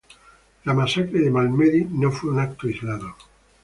La masacre de Malmedy no fue un acto aislado.